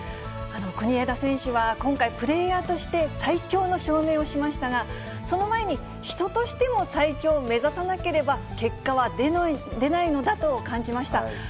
国枝選手は今回、プレーヤーとして最強の証明をしましたが、その前に、人としても最強を目指さなければ結果は出ないのだと感じました。